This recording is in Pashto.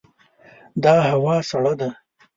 دا هوا سړه ده.